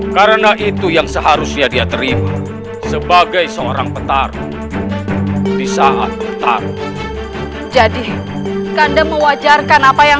kanuraga nirompang tidak bisa diremehkan